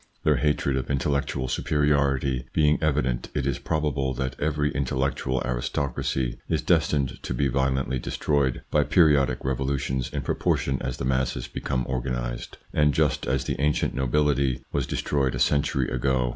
Their hatred of intellectual superiority being evident, it is probable that every intellectual aristocracy is destined to be violently destroyed by periodic revolutions, in propor tion as the masses become organised, and just as the ancient nobility was destroyed a century ago.